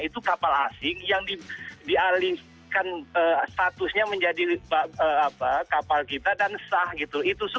itu kapal asing yang dialihkan statusnya menjadi kapal kita dan sah gitu